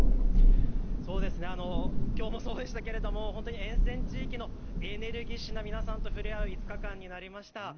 きょうもそうでしたけれども沿線地域のエネルギッシュな皆さんと触れ合う５日間になりました。